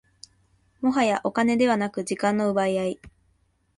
もはやお金ではなく時間の奪い合い